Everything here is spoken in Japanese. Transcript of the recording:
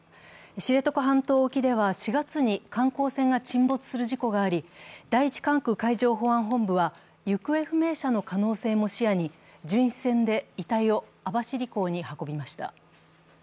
知床半島沖では４月に観光船が沈没する事故があり、第１管区海上保安部は行方不明者の可能性も視野に巡視船で遺体を網走港に運びました。